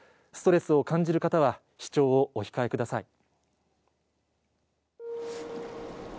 ストレスを感じる方は視聴をお控えください。